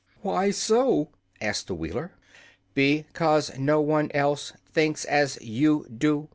"Why so?" asked the Wheeler. "Be cause no one else thinks as you do.